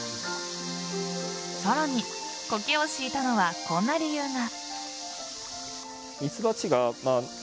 さらにコケを敷いたのはこんな理由が。